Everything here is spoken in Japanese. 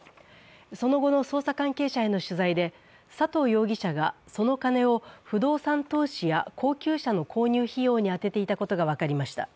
その後の捜査関係者への取材で佐藤容疑者がその金を不動産投資や高級車の購入費用に充てていたことが分かりました。